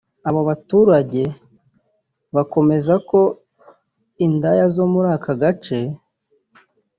Abo baturage bakomeza ko indaya zo muri aka gace